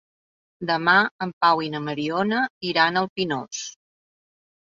Demà en Pau i na Mariona iran al Pinós.